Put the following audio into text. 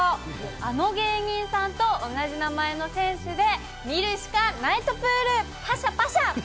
あの芸人さんと同じ名前の選手で、見るしかナイトプール、ぱしゃぱしゃ。